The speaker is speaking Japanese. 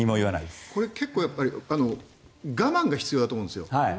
結構我慢が必要だと思うんです。